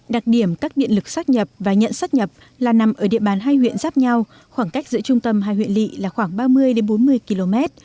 đặc điểm các điện lực xác nhập và nhận sắp nhập là nằm ở địa bàn hai huyện giáp nhau khoảng cách giữa trung tâm hai huyện lị là khoảng ba mươi bốn mươi km